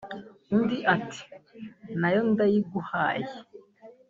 " Undi ati "Na yo ndayiguhaye